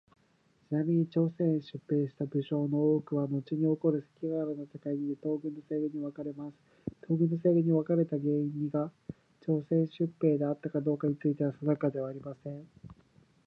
ちなみに、朝鮮へ出兵した武将の多くはのちに起こる関ヶ原の戦いにて東軍と西軍に分かれます。東軍と西軍に分かれた原因にが朝鮮出兵であったかどうかについては定かではありません。